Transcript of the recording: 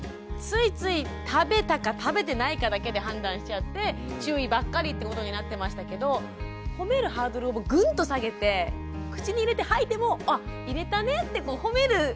ついつい食べたか食べてないかだけで判断しちゃって注意ばっかりってことになってましたけどほめるハードルをぐんと下げて口に入れて吐いても「あ入れたね」ってほめる。